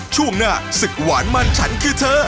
ช่วงหน้าศึกหวานมันฉันคือเธอ